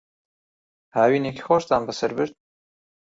هاوینێکی خۆشتان بەسەر برد؟